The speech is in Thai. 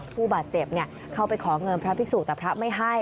ผู้บาดเจ็บเข้าไปขอเงินพระภิกษุแต่พระไม่ให้